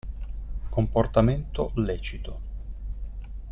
Comportamento lecito.